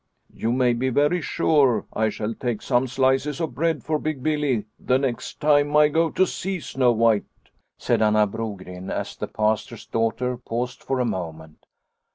" You may be very sure I shall take some slices of bread for Big Billy the next time I go to see Snow White," said Anna Brogren as the Pastor's daughter paused for a moment.